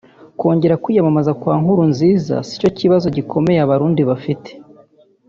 Kongera kwiyamamaza kwa Nkurunziza sicyo kibazo gikomeye Abarundi bafite